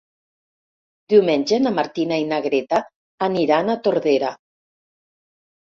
Diumenge na Martina i na Greta aniran a Tordera.